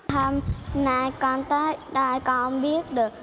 hôm nay con tới đây con biết được